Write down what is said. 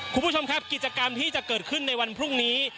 คุณผู้ชมครับกิจกรรมที่จะเกิดขึ้นในวันพรุ่งนี้